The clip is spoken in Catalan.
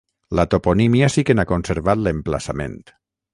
La toponímia sí que n'ha conservat l'emplaçament.